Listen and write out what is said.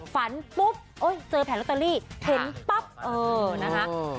ฝันปุ๊บเจอแผงลอตเตอรี่เห็นปั๊บเออนะคะ